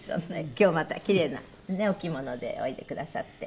今日またキレイなお着物でおいでくださって。